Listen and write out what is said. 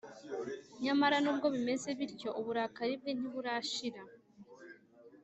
Nyamara nubwo bimeze bityo uburakari bwe ntiburashira